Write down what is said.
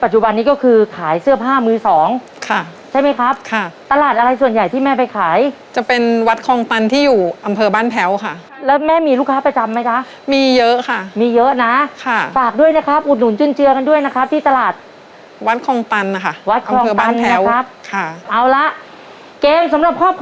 ชวนพี่เอ๋เลยครับมาเป็นผู้ช่วยครับ